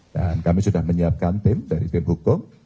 dan kami sudah menyiapkan tim dari tim hukum